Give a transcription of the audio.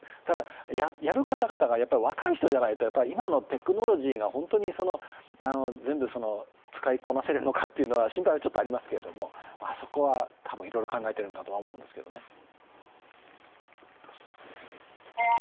ただ、やる方々が若い人じゃないと今のテクノロジーが本当に全部使いこなせるのかという心配はちょっとありますけれども、そこは多分、いろいろ考えてるんだとは思うんですけどね。